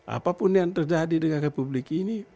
apapun yang terjadi dengan republik ini